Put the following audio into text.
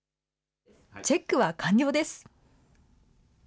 チェックは完了です。